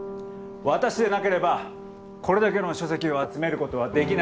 私でなければこれだけの書籍を集めることはできなかった。